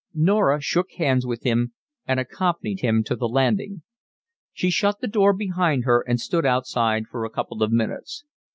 Norah shook hands with him, and accompanied him to the landing. She shut the door behind her and stood outside for a couple of minutes.